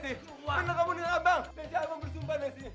ternyata kamu dengan abang nensi aku bersumpah nensi